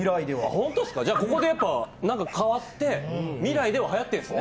ホントっすか、ここで何か変わって、未来でははやってるんですね。